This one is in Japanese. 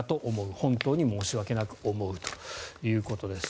本当に申し訳なく思うということです。